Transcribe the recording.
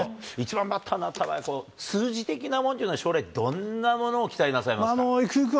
１番バッターになったら、数字的なもんっていうのは、将来はどんなものを期待なさいますか。